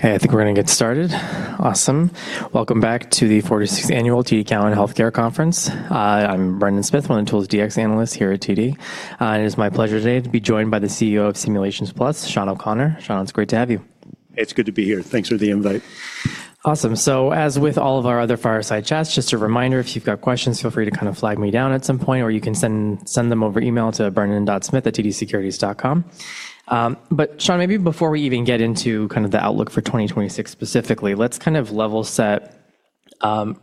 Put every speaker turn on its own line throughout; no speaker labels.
Okay, I think we're gonna get started. Awesome. Welcome back to the 46th Annual TD Cowen Healthcare Conference. I'm Brendan Smith, one of the Tools/Dx analysts here at TD. It is my pleasure today to be joined by the CEO of Simulations Plus, Shawn O'Connor. Shawn, it's great to have you.
It's good to be here. Thanks for the invite.
Awesome. As with all of our other fireside chats, just a reminder, if you've got questions, feel free to kind of flag me down at some point, or you can send them over email to brendan.smith@tdsecurities.com. Shawn, maybe before we even get into kind of the outlook for 2026 specifically, let's kind of level set,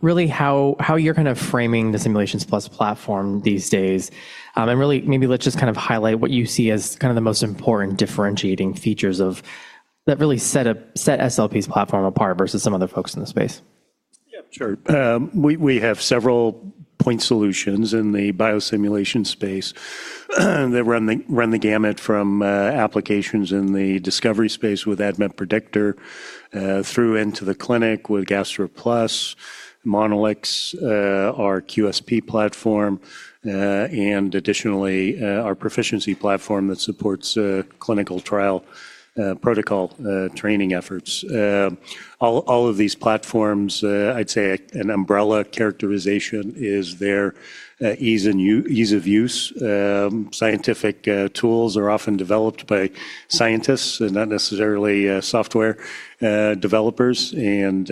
really how you're kind of framing the Simulations Plus platform these days. Really maybe let's just kind of highlight what you see as kind of the most important differentiating features that really set SLP's platform apart versus some other folks in the space.
Yeah, sure. We have several point solutions in the biosimulation space that run the gamut from applications in the discovery space with ADMET Predictor through into the clinic with GastroPlus, Monolix, our QSP platform, and additionally, our Pro-ficiency platform that supports clinical trial protocol training efforts. All of these platforms, I'd say an umbrella characterization is their ease of use. Scientific tools are often developed by scientists and not necessarily software developers and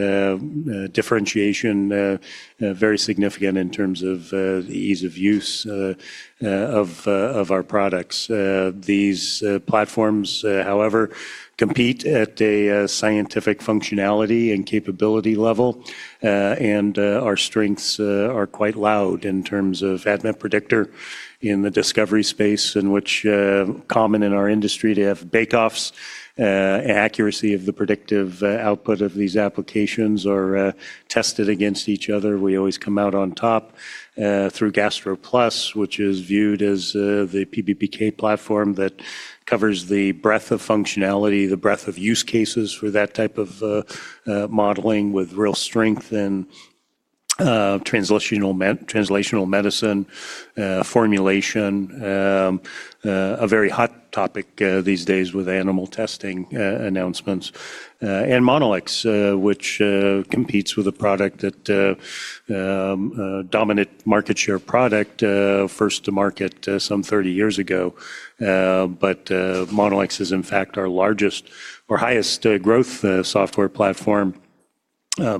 differentiation very significant in terms of the ease of use of our products. These platforms, however, compete at a scientific functionality and capability level, and our strengths are quite loud in terms of ADMET Predictor in the discovery space in which common in our industry to have bake-offs. Accuracy of the predictive output of these applications are tested against each other. We always come out on top, through GastroPlus, which is viewed as the PBPK platform that covers the breadth of functionality, the breadth of use cases for that type of modeling with real strength in translational medicine, formulation, a very hot topic these days with animal testing announcements. And Monolix, which competes with a product that dominant market share product, first to market 30 years ago. Monolix is in fact our largest or highest growth software platform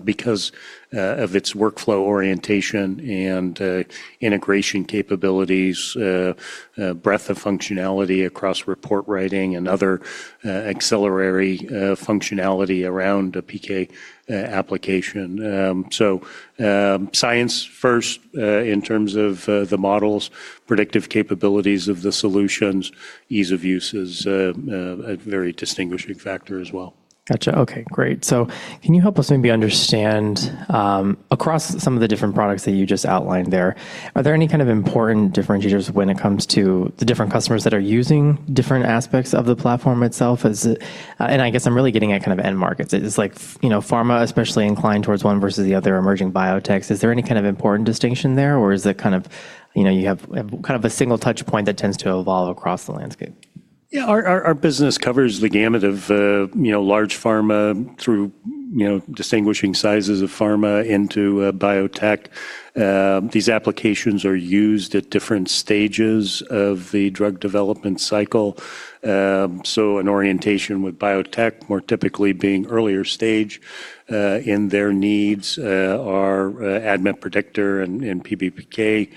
because of its workflow orientation and integration capabilities, breadth of functionality across report writing and other ancillary functionality around a PK application. So science first in terms of the models, predictive capabilities of the solutions, ease of use is a very distinguishing factor as well.
Gotcha. Okay, great. Can you help us maybe understand, across some of the different products that you just outlined there, are there any kind of important differentiators when it comes to the different customers that are using different aspects of the platform itself? Is it, and I guess I'm really getting at kind of end markets. Is like, you know, pharma especially inclined towards one versus the other, emerging biotechs? Is there any kind of important distinction there, or is it kind of, you know, you have kind of a single touch point that tends to evolve across the landscape?
Yeah. Our business covers the gamut of, you know, large pharma through, you know, distinguishing sizes of pharma into biotech. These applications are used at different stages of the drug development cycle. An orientation with biotech more typically being earlier stage in their needs, our ADMET Predictor and PBPK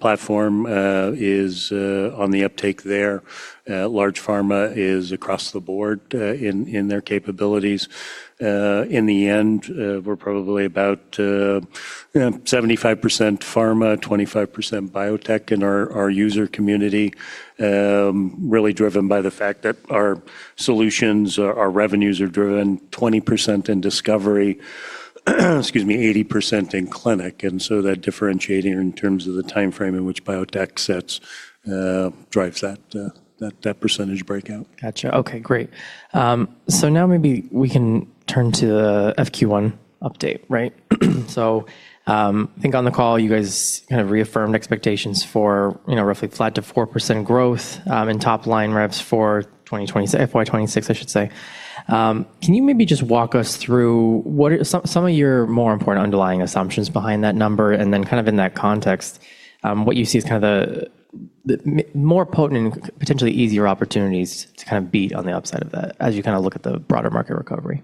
platform is on the uptake there. Large pharma is across the board in their capabilities. In the end, we're probably about 75% pharma, 25% biotech in our user community, really driven by the fact that our solutions, our revenues are driven 20% in discovery, excuse me, 80% in clinic. That differentiating in terms of the timeframe in which biotech sits, drives that percentage breakout.
Gotcha. Okay, great. Now maybe we can turn to the FQ1 update, right? I think on the call you guys kind of reaffirmed expectations for, you know, roughly flat to 4% growth in top-line revs for FY 2026, I should say. Can you maybe just walk us through what are some of your more important underlying assumptions behind that number? Kind of in that context, what you see as kind of the more potent and potentially easier opportunities to kind of beat on the upside of that as you kind of look at the broader market recovery.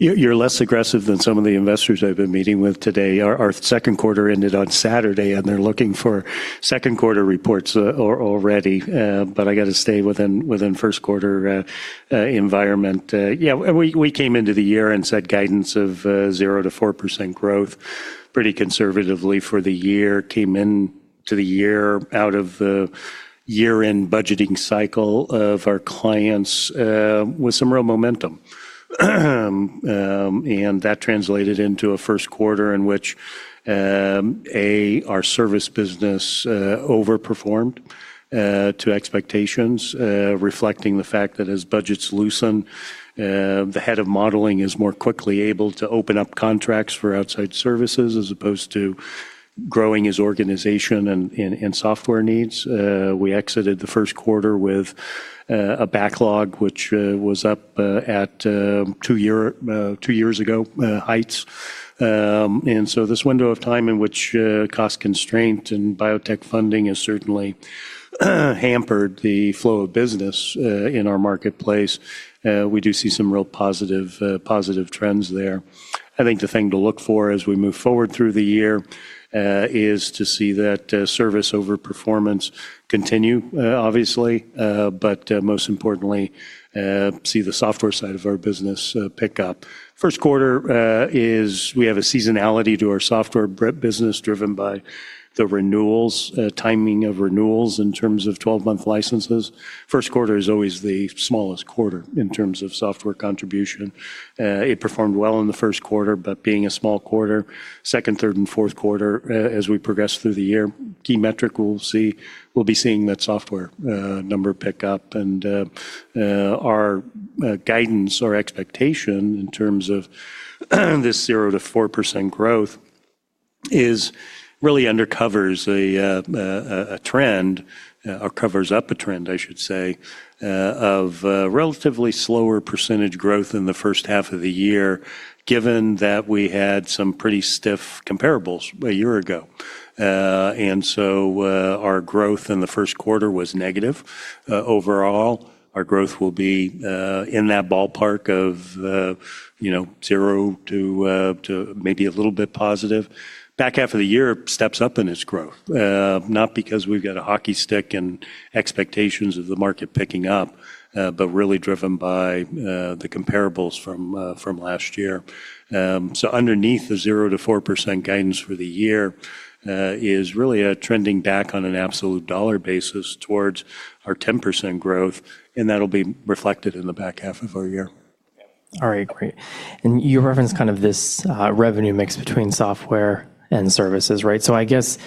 You're less aggressive than some of the investors I've been meeting with today. Our second quarter ended on Saturday, they're looking for second quarter reports already. I got to stay within first quarter environment. We came into the year and set guidance of 0%-4% growth pretty conservatively for the year. Came into the year out of the year-end budgeting cycle of our clients with some real momentum. That translated into a first quarter in which our service business overperformed to expectations, reflecting the fact that as budgets loosen, the head of modeling is more quickly able to open up contracts for outside services as opposed to growing his organization and software needs. We exited the first quarter with a backlog which was up at two-year two years ago heights. This window of time in which cost constraint and biotech funding has certainly hampered the flow of business in our marketplace, we do see some real positive positive trends there. I think the thing to look for as we move forward through the year is to see that service overperformance continue, obviously, but most importantly, see the software side of our business pick up. First quarter is we have a seasonality to our software business driven by the renewals, timing of renewals in terms of 12-month licenses. First quarter is always the smallest quarter in terms of software contribution. It performed well in the first quarter, but being a small quarter, second, third, and fourth quarter, as we progress through the year, key metric we'll be seeing that software number pick up. Our guidance or expectation in terms of this 0%-4% growth is really undercovers a trend or covers up a trend, I should say, of relatively slower percentage growth in the first half of the year, given that we had some pretty stiff comparables a year ago. Our growth in the first quarter was negative. Overall, our growth will be in that ballpark of, you know, zero to maybe a little bit positive. Back half of the year steps up in its growth, not because we've got a hockey stick and expectations of the market picking up, but really driven by, the comparables from last year. Underneath the 0%-4% guidance for the year, is really a trending back on an absolute dollar basis towards our 10% growth, and that'll be reflected in the back half of our year.
All right. Great. You referenced kind of this, revenue mix between software and services, right? I guess,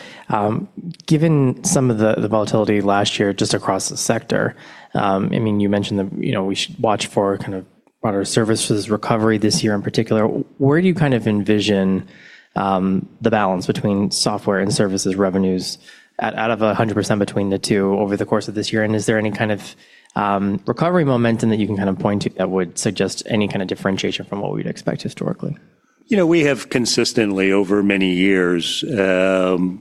given some of the volatility last year just across the sector, I mean, you mentioned the, you know, we should watch for kind of broader services recovery this year in particular. Where do you kind of envision, the balance between software and services revenues at out of 100% between the two over the course of this year? Is there any kind of, recovery momentum that you can kind of point to that would suggest any kind of differentiation from what we'd expect historically?
You know, we have consistently over many years, been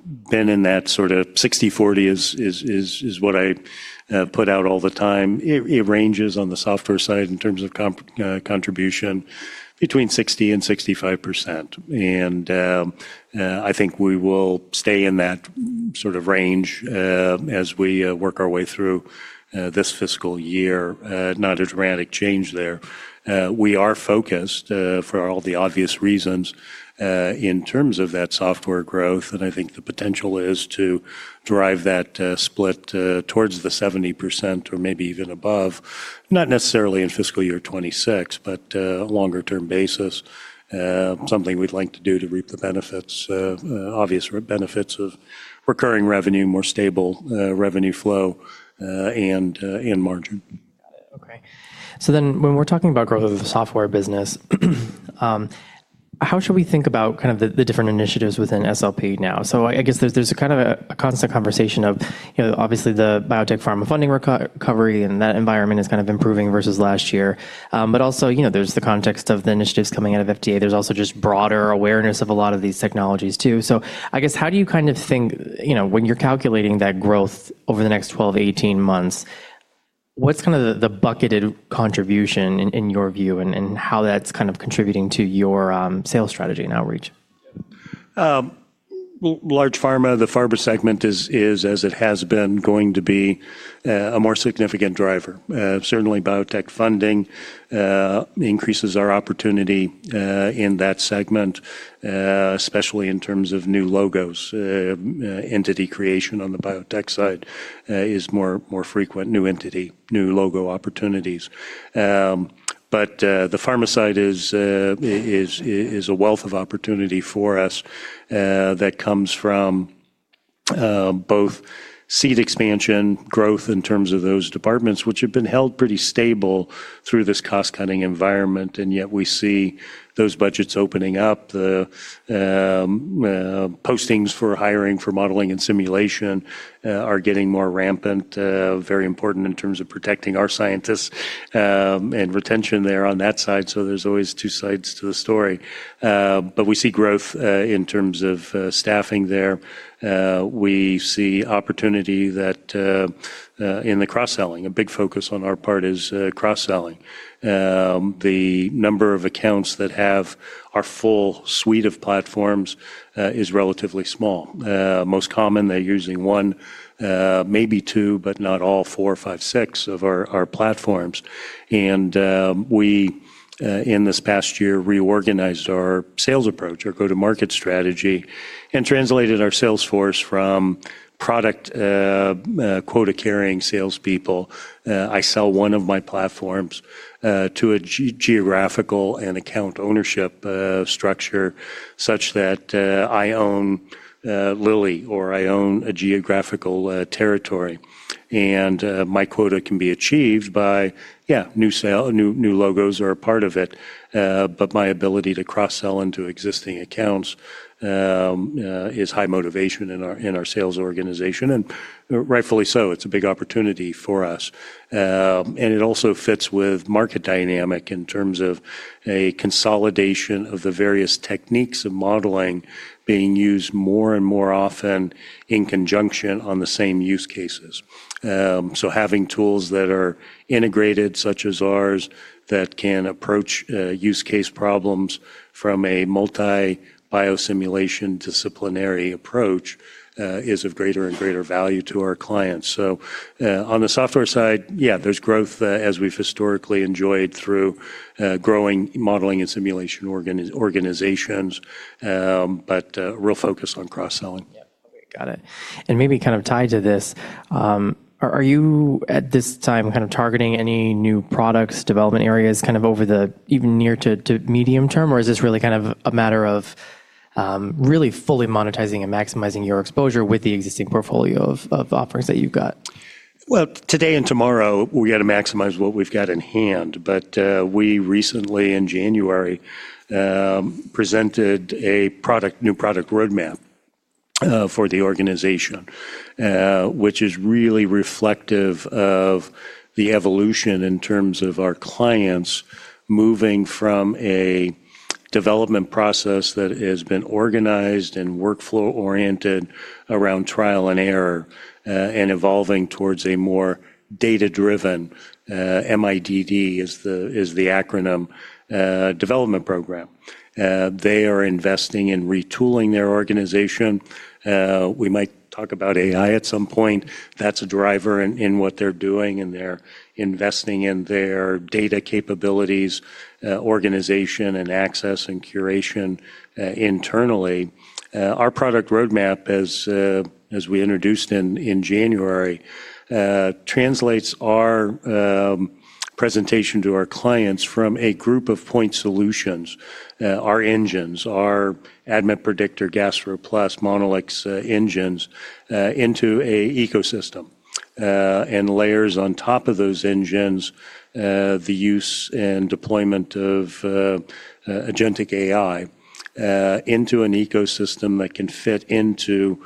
in that sort of 60/40 is what I put out all the time. It ranges on the software side in terms of contribution between 60% and 65%. I think we will stay in that sort of range, as we work our way through this fiscal year, not a dramatic change there. We are focused for all the obvious reasons in terms of that software growth, and I think the potential is to drive that split towards the 70% or maybe even above, not necessarily in fiscal year 2026, but a longer-term basis, something we'd like to do to reap the benefits, obvious benefits of recurring revenue, more stable revenue flow, and margin.
Got it. Okay. When we're talking about growth of the software business, how should we think about kind of the different initiatives within SLP now? I guess there's a kind of a constant conversation of, you know, obviously the biotech pharma funding recovery, and that environment is kind of improving versus last year. Also, you know, there's the context of the initiatives coming out of FDA. There's also just broader awareness of a lot of these technologies too. I guess, how do you kind of think, you know, when you're calculating that growth over the next 12-18 months, what's kind of the bucketed contribution in your view and how that's kind of contributing to your sales strategy and outreach?
Large pharma, the pharma segment is as it has been going to be a more significant driver. Certainly biotech funding increases our opportunity in that segment, especially in terms of new logos. Entity creation on the biotech side is more frequent, new entity, new logo opportunities. The pharma side is a wealth of opportunity for us that comes from both seed expansion growth in terms of those departments, which have been held pretty stable through this cost-cutting environment, and yet we see those budgets opening up. The postings for hiring for modeling and simulation are getting more rampant. Very important in terms of protecting our scientists, and retention there on that side, so there's always two sides to the story. We see growth in terms of staffing there. We see opportunity that in the cross-selling. A big focus on our part is cross-selling. The number of accounts that have our full suite of platforms is relatively small. Most common, they're using one, maybe two, but not all four, five, six of our platforms. We in this past year reorganized our sales approach, our go-to-market strategy, and translated our sales force from product quota-carrying salespeople, I sell one of my platforms, to a geographical and account ownership structure such that I own Lilly or I own a geographical territory. My quota can be achieved by new sale, new logos are a part of it, but my ability to cross-sell into existing accounts is high motivation in our sales organization, and rightfully so. It's a big opportunity for us. It also fits with market dynamic in terms of a consolidation of the various techniques of modeling being used more and more often in conjunction on the same use cases. Having tools that are integrated, such as ours, that can approach use case problems from a multi-biosimulation disciplinary approach, is of greater and greater value to our clients. On the software side, there's growth as we've historically enjoyed through growing modeling and simulation organizations, but real focus on cross-selling.
Yeah. Okay. Got it. Maybe kind of tied to this, are you at this time kind of targeting any new products, development areas, kind of over the even near to medium term, or is this really kind of a matter of, really fully monetizing and maximizing your exposure with the existing portfolio of offerings that you've got?
Today and tomorrow we gotta maximize what we've got in hand. We recently in January presented a product, new product roadmap for the organization, which is really reflective of the evolution in terms of our clients moving from a development process that has been organized and workflow oriented around trial and error, and evolving towards a more data-driven MIDD is the acronym, development program. They are investing in retooling their organization. We might talk about AI at some point. That's a driver in what they're doing, and they're investing in their data capabilities, organization and access and curation internally. Our product roadmap as we introduced in January, translates our presentation to our clients from a group of point solutions, our engines, our ADMET Predictor, GastroPlus, Monolix, engines, into a ecosystem. Layers on top of those engines, the use and deployment of agentic AI, into an ecosystem that can fit into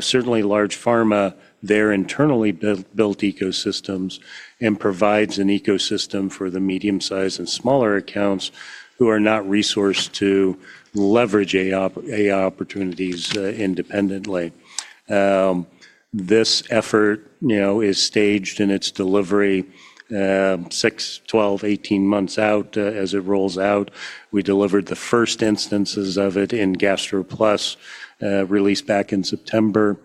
certainly large pharma, their internally built ecosystems, and provides an ecosystem for the medium-size and smaller accounts who are not resourced to leverage AI opportunities independently. This effort, you know, is staged in its delivery, six, 12, 18 months out, as it rolls out. We delivered the first instances of it in GastroPlus, released back in September.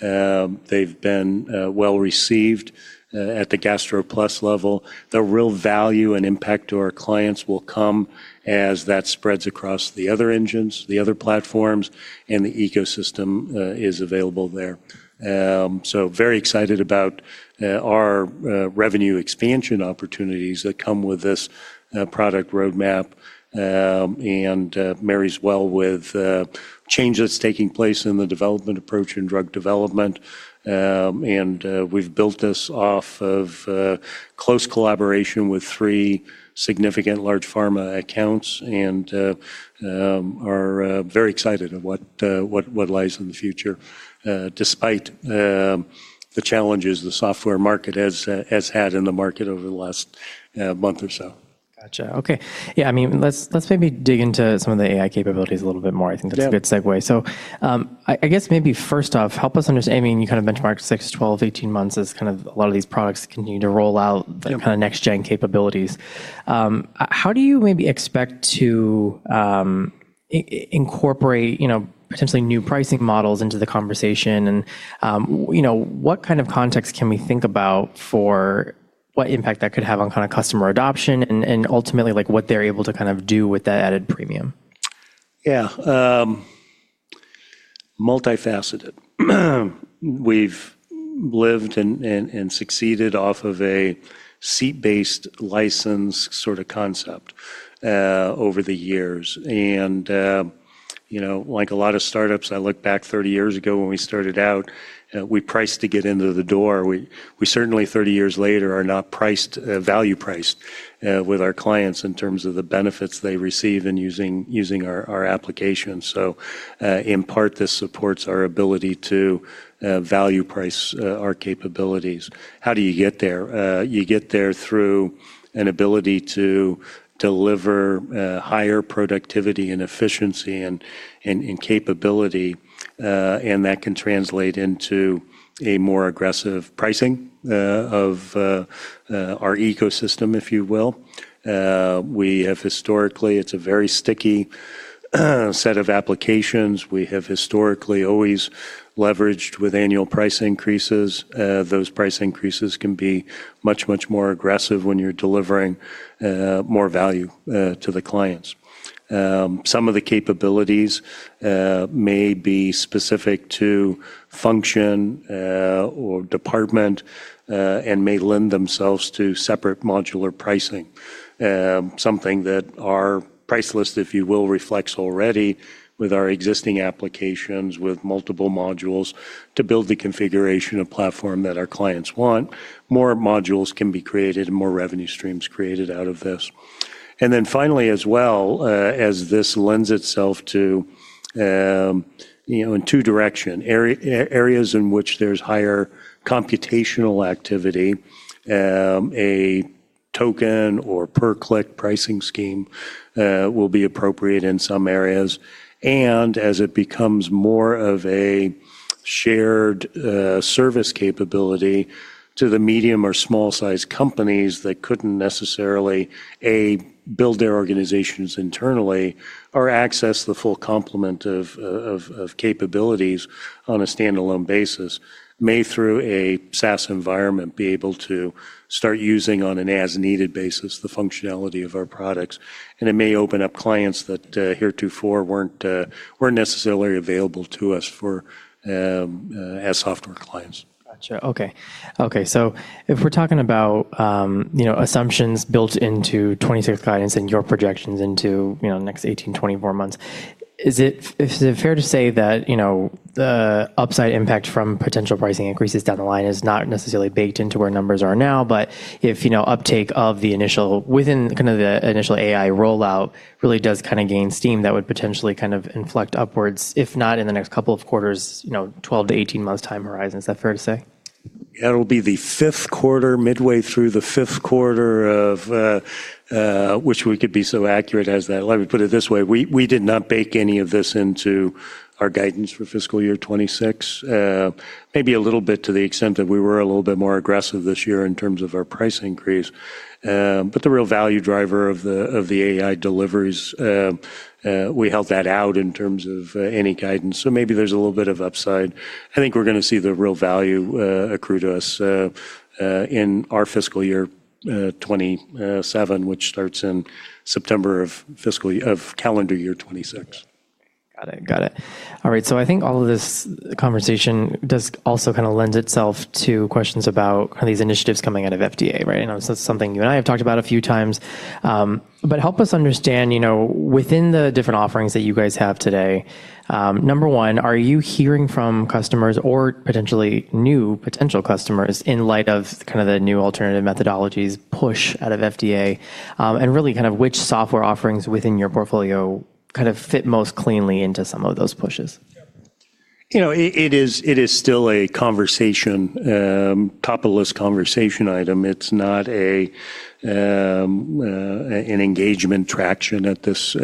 They've been well-received at the GastroPlus level. The real value and impact to our clients will come as that spreads across the other engines, the other platforms, and the ecosystem is available there. Very excited about our revenue expansion opportunities that come with this product roadmap and marries well with change that's taking place in the development approach in drug development. We've built this off of close collaboration with three significant large pharma accounts and are very excited at what lies in the future despite the challenges the software market has had in the market over the last month or so.
Gotcha. Okay. Yeah, I mean, let's maybe dig into some of the AI capabilities a little bit more.
Yeah.
I think that's a good segue. I guess maybe first off, help us understand. I mean, you kind of benchmarked six, 12, 18 months as kind of a lot of these products continue to roll out.
Yeah
The kind of next gen capabilities. How do you maybe expect to incorporate, you know, potentially new pricing models into the conversation? You know, what kind of context can we think about for what impact that could have on kind of customer adoption and ultimately, like, what they're able to kind of do with that added premium?
Yeah. Multifaceted. We've lived and succeeded off of a seat-based license sort of concept over the years. You know, like a lot of startups, I look back 30 years ago when we started out, we priced to get into the door. We certainly 30 years later are not priced, value priced with our clients in terms of the benefits they receive in using our application. In part, this supports our ability to value price our capabilities. How do you get there? You get there through an ability to deliver higher productivity and efficiency and capability, and that can translate into a more aggressive pricing of our ecosystem, if you will. We have historically. It's a very sticky set of applications. We have historically always leveraged with annual price increases. Those price increases can be much, much more aggressive when you're delivering more value to the clients. Some of the capabilities may be specific to function or department and may lend themselves to separate modular pricing. Something that our price list, if you will, reflects already with our existing applications, with multiple modules to build the configuration of platform that our clients want. More modules can be created and more revenue streams created out of this. Finally, as well, as this lends itself to, you know, in two direction areas in which there's higher computational activity, a token or per-click pricing scheme will be appropriate in some areas. As it becomes more of a shared service capability to the medium or small-sized companies that couldn't necessarily, A, build their organizations internally or access the full complement of capabilities on a standalone basis, may through a SaaS environment be able to start using on an as-needed basis the functionality of our products. It may open up clients that heretofore weren't necessarily available to us for as software clients.
Gotcha. Okay. If we're talking about, you know, assumptions built into 2060 guidance and your projections into, you know, the next 18, 24 months, is it fair to say that, you know, the upside impact from potential pricing increases down the line is not necessarily baked into where numbers are now, but if, you know, uptake of the initial AI rollout really does kind of gain steam, that would potentially kind of inflect upwards, if not in the next couple of quarters, you know, 12-18 months time horizon. Is that fair to say?
It'll be the fifth quarter, midway through the fifth quarter of which we could be so accurate as that. Let me put it this way. We did not bake any of this into our guidance for fiscal year 2026. Maybe a little bit to the extent that we were a little bit more aggressive this year in terms of our price increase. The real value driver of the AI deliveries, we held that out in terms of any guidance. Maybe there's a little bit of upside. I think we're gonna see the real value accrue to us in our fiscal year 2027, which starts in September of calendar year 2026.
Got it. All right. I think all of this conversation does also kind of lends itself to questions about kind of these initiatives coming out of FDA, right? I know that's something you and I have talked about a few times. Help us understand, you know, within the different offerings that you guys have today, number one, are you hearing from customers or potentially new potential customers in light of kind of the new alternative methodologies push out of FDA? Really kind of which software offerings within your portfolio kind of fit most cleanly into some of those pushes?
You know, it is still a conversation, topless conversation item. It's not an engagement traction at this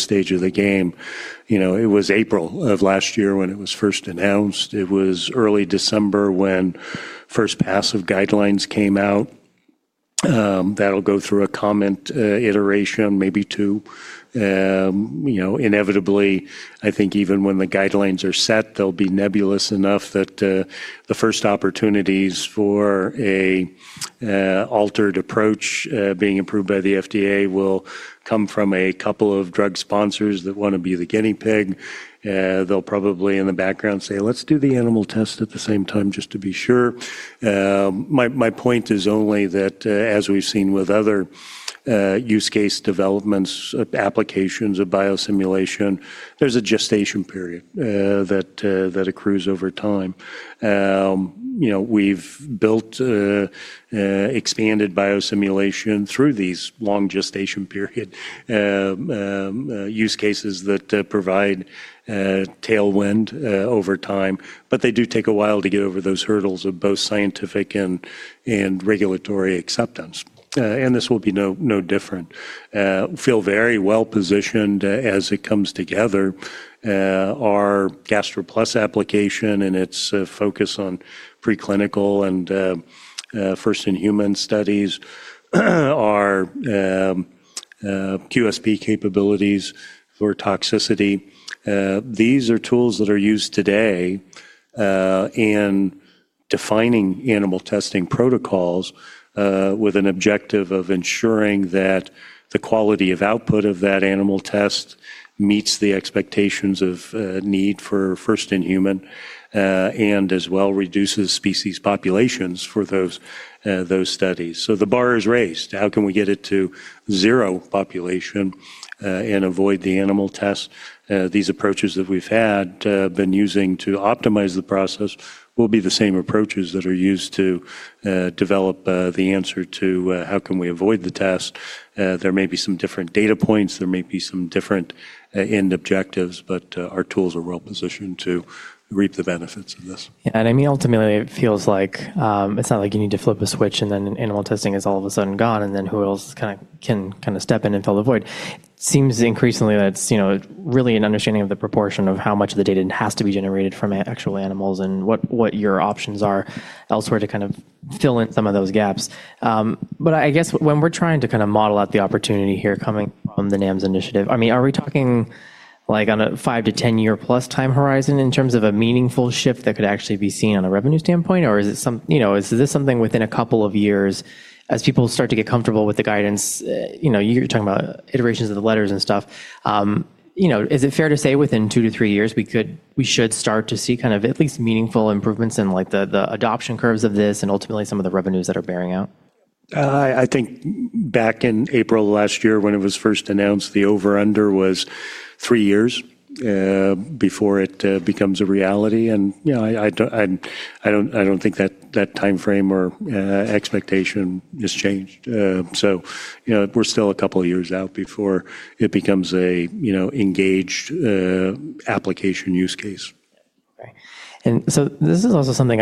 stage of the game. You know, it was April of last year when it was first announced. It was early December when first pass of guidelines came out. That'll go through a comment iteration, maybe two. You know, inevitably, I think even when the guidelines are set, they'll be nebulous enough that the first opportunities for an altered approach being approved by the FDA will come from a couple of drug sponsors that wanna be the guinea pig. They'll probably in the background say, "Let's do the animal test at the same time just to be sure." My point is only that, as we've seen with other use case developments, applications of biosimulation, there's a gestation period that accrues over time. You know, we've built expanded biosimulation through these long gestation period use cases that provide tailwind over time, but they do take a while to get over those hurdles of both scientific and regulatory acceptance. This will be no different. Feel very well-positioned as it comes together. Our GastroPlus application and its focus on preclinical and first-in-human studies, our QSP capabilities for toxicity. These are tools that are used today in defining animal testing protocols with an objective of ensuring that the quality of output of that animal test meets the expectations of need for first-in-human, and as well reduces species populations for those studies. The bar is raised. How can we get it to zero population and avoid the animal test? These approaches that we've had been using to optimize the process will be the same approaches that are used to develop the answer to how can we avoid the test. There may be some different data points, there may be some different end objectives, but our tools are well-positioned to reap the benefits of this.
Yeah. I mean, ultimately, it feels like, it's not like you need to flip a switch, and then animal testing is all of a sudden gone, and then who else can kinda step in and fill the void. Seems increasingly that it's, you know, really an understanding of the proportion of how much of the data has to be generated from actual animals and what your options are elsewhere to kind of fill in some of those gaps. I guess when we're trying to kinda model out the opportunity here coming from the NAMs initiative, I mean, are we talking, like, on a five-10-year-plus time horizon in terms of a meaningful shift that could actually be seen on a revenue standpoint? Or is it some, you know, is this something within a couple of years as people start to get comfortable with the guidance? You know, you're talking about iterations of the letters and stuff. You know, is it fair to say within two-three years, we should start to see kind of at least meaningful improvements in, like, the adoption curves of this and ultimately some of the revenues that are bearing out?
I think back in April last year when it was first announced, the over-under was three years before it becomes a reality. You know, I don't think that that timeframe or expectation has changed. You know, we're still a couple of years out before it becomes a, you know, engaged application use case.
Okay. This is also something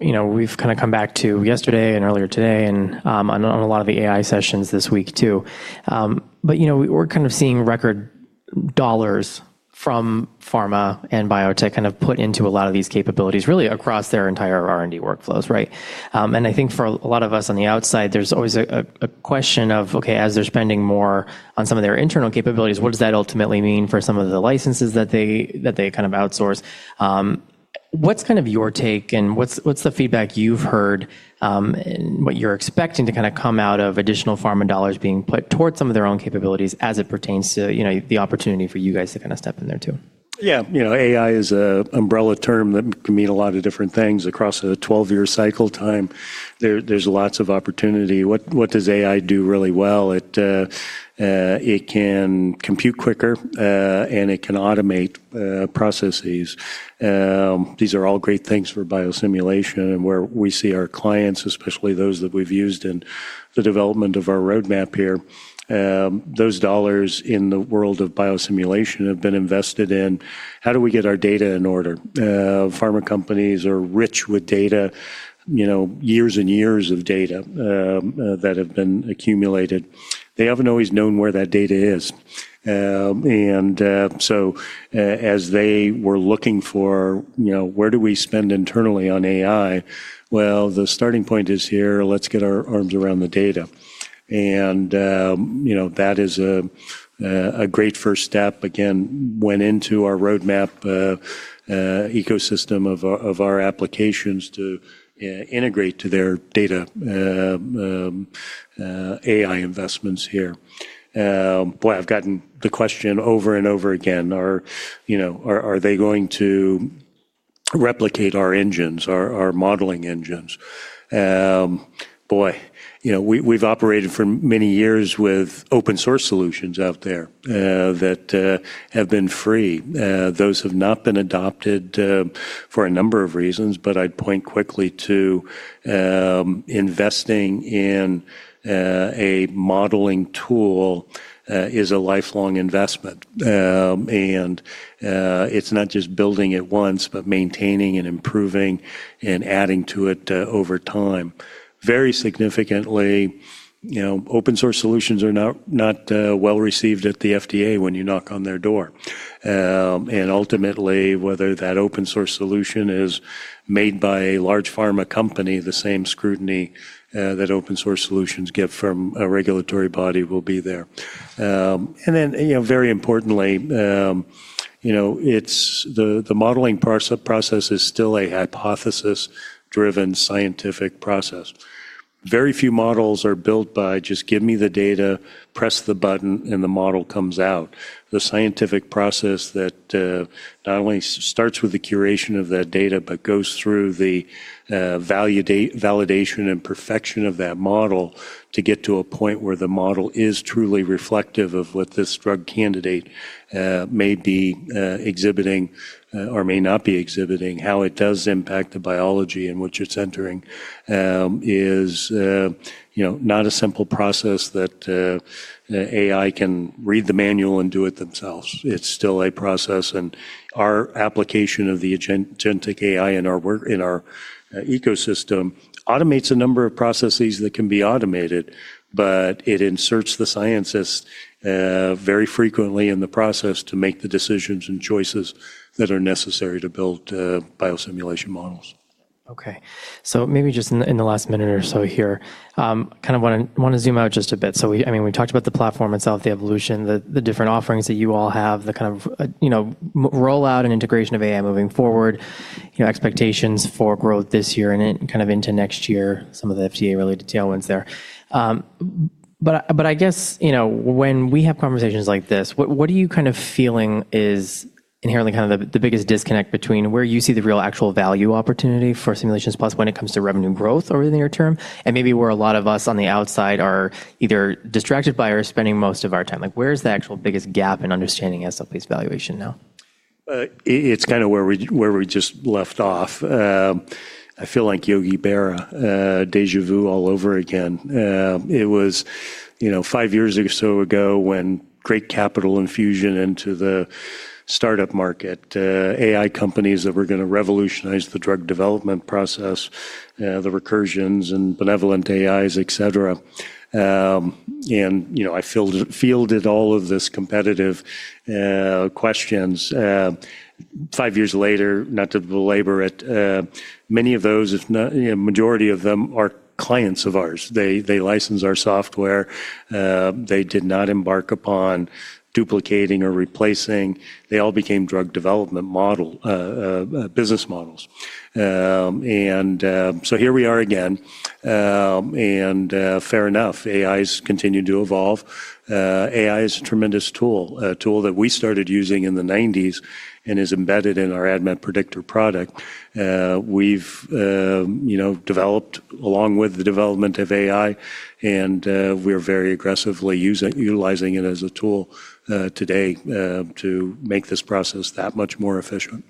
you know, we've kinda come back to yesterday and earlier today and on a lot of the AI sessions this week too. You know, we're kind of seeing record dollars from pharma and biotech kind of put into a lot of these capabilities, really across their entire R&D workflows, right? I think for a lot of us on the outside, there's always a question of, okay, as they're spending more on some of their internal capabilities, what does that ultimately mean for some of the licenses that they kind of outsource? What's kind of your take and what's the feedback you've heard, and what you're expecting to kinda come out of additional pharma dollars being put towards some of their own capabilities as it pertains to, you know, the opportunity for you guys to kinda step in there too?
Yeah. You know, AI is a umbrella term that can mean a lot of different things across a 12-year cycle time. There's lots of opportunity. What does AI do really well? It can compute quicker and it can automate processes. These are all great things for biosimulation and where we see our clients, especially those that we've used in the development of our roadmap here, those dollars in the world of biosimulation have been invested in how do we get our data in order? Pharma companies are rich with data, you know, years and years of data that have been accumulated. They haven't always known where that data is. As they were looking for, you know, where do we spend internally on AI, well, the starting point is here, let's get our arms around the data. You know, that is a great first step, again, went into our roadmap ecosystem of our applications to integrate to their data AI investments here. Boy, I've gotten the question over and over again. You know, are they going to replicate our engines, our modeling engines? Boy, you know, we've operated for many years with open source solutions out there that have been free. Those have not been adopted for a number of reasons, but I'd point quickly to investing in a modeling tool is a lifelong investment. it's not just building it once, but maintaining and improving and adding to it over time. Very significantly, you know, open source solutions are not well-received at the FDA when you knock on their door. ultimately, whether that open source solution is made by a large pharma company, the same scrutiny that open source solutions get from a regulatory body will be there. then, you know, very importantly, you know, it's the modeling process is still a hypothesis-driven scientific process. Very few models are built by just give me the data, press the button, and the model comes out. The scientific process that not only starts with the curation of that data, but goes through the validation and perfection of that model to get to a point where the model is truly reflective of what this drug candidate may be exhibiting, or may not be exhibiting, how it does impact the biology in which it's entering, you know, not a simple process that AI can read the manual and do it themselves. It's still a process, and our application of the agentic AI in our ecosystem automates a number of processes that can be automated, but it inserts the scientists very frequently in the process to make the decisions and choices that are necessary to build biosimulation models.
Okay. Maybe just in the last minute or so here, kind of wanna zoom out just a bit. I mean, we talked about the platform itself, the evolution, the different offerings that you all have, the kind of, you know, rollout and integration of AI moving forward, you know, expectations for growth this year and kind of into next year, some of the FDA-related tailwinds there. I guess, you know, when we have conversations like this, what are you kind of feeling is inherently kind of the biggest disconnect between where you see the real actual value opportunity for Simulations Plus when it comes to revenue growth over the near term and maybe where a lot of us on the outside are either distracted by or spending most of our time? Where is the actual biggest gap in understanding SLP's valuation now?
It-it's kinda where we just left off. I feel like Yogi Berra, déjà vu all over again. It was, you know, five years or so ago when great capital infusion into the startup market, AI companies that were gonna revolutionize the drug development process, the Recursions and BenevolentAIs, et cetera. You know, I fielded all of this competitive questions. Five years later, not to belabor it, many of those, if not, you know, majority of them are clients of ours. They license our software. They did not embark upon duplicating or replacing. They all became drug development business models. So here we are again, and, fair enough, AI's continued to evolve. AI is a tremendous tool, a tool that we started using in the 90s and is embedded in our ADMET Predictor product. We've, you know, developed along with the development of AI, and we're very aggressively utilizing it as a tool today to make this process that much more efficient.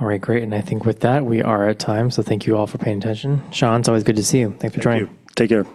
All right, great. I think with that, we are at time, so thank you all for paying attention. Shawn, it's always good to see you. Thanks for joining.
Thank you. Take care.